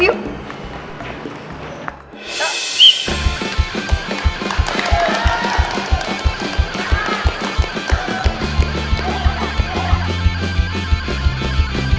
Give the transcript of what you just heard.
ya yaudah jadi keeper aja ya